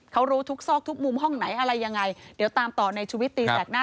เขารู้ทุกซอกทุกมุมห้องไหนอะไรยังไงเดี๋ยวตามต่อในชุวิตตีแสกหน้า